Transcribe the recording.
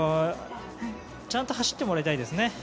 ちゃんと走ってもらいたいですね。